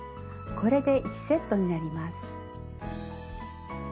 これで１セットになります。